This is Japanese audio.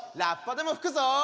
でも吹くぞ！